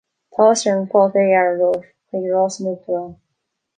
Tá áthas orm fáilte a fhearadh romhaibh chuig Áras an Uachtaráin